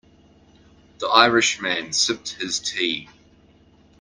The Irish man sipped his tea.